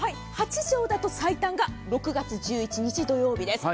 ８畳だと最短が６月１１日土曜日です。